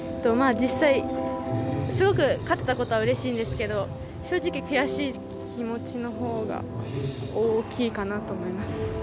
実際、すごく勝てたことはうれしいんですけど正直、悔しい気持ちのほうが大きいかなと思います。